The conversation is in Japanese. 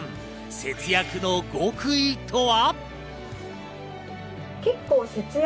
節約の極意とは？